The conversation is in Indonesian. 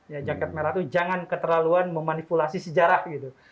ya jaket merah itu jangan keterlaluan memanipulasi sejarah gitu